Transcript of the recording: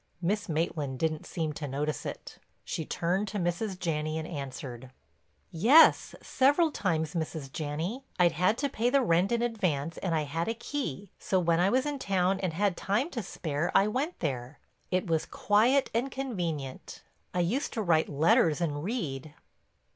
Miss Maitland didn't seem to notice it; she turned to Mrs. Janney and answered: "Yes, several times, Mrs. Janney. I'd had to pay the rent in advance and I had a key, so when I was in town and had time to spare I went there. It was quiet and convenient—I used to write letters and read."